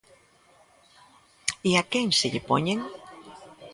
E a quen se lle poñen?